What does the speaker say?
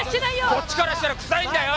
こっちからしたら臭いんだよ！